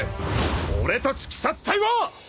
俺たち鬼殺隊は！